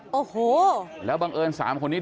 เพื่อนบ้านเจ้าหน้าที่อำรวจกู้ภัย